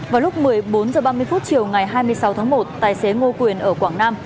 vào lúc một mươi bốn h ba mươi chiều ngày hai mươi sáu tháng một tài xế ngô quyền ở quảng nam